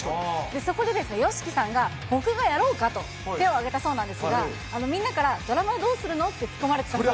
そこでですね、ＹＯＳＨＩＫＩさんが僕がやろうかと手をあげたそうなんですが、みんなからドラムはどうするの？って突っ込まれたと。